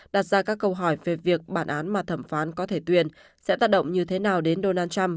đặt ra các câu hỏi về việc bản án mà thẩm phán có thể tuyên sẽ tác động như thế nào đến donald trump